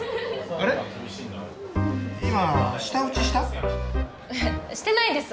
えっしてないです。